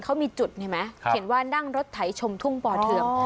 เขามีจุดเห็นไหมเห็นว่านั่งรถไถชมทุ่งป่อเทือง